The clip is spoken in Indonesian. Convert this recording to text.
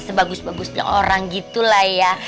sebagus bagusnya orang gitu lah ya